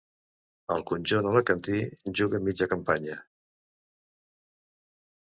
Al conjunt alacantí juga mitja campanya.